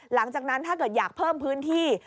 หลังจากนั้นถ้าเกิดอยากเพิ่มพื้นที่